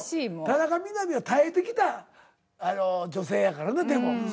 田中みな実は耐えてきた女性やからねでもそれに。